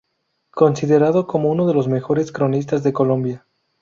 Considerado como uno de los mejores cronistas de Colombia.